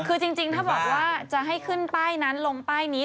คือจริงถ้าบอกว่าจะให้ขึ้นป้ายนั้นลงป้ายนี้